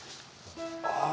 ああ！